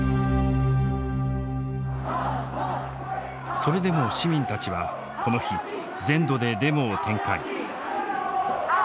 それでも市民たちはこの日全土でデモを展開。